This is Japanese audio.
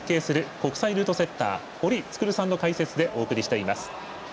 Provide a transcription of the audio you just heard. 国際ルートセッター、堀創さんの解説でお送りしています。